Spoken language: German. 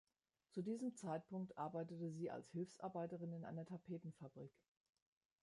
Zu diesem Zeitpunkt arbeitete sie als Hilfsarbeiterin in einer Tapetenfabrik.